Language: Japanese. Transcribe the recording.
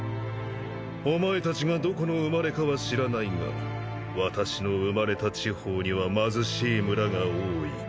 お前たちがどこの生まれかは知らないが私の生まれた地方には貧しい村が多い。